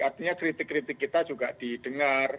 artinya kritik kritik kita juga didengar